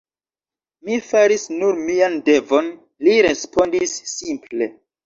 Mi faris nur mian devon, li respondis simple.